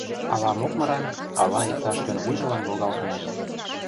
Ала мокмыран, ала иктаж-кӧн вуйжылан логалтынеже.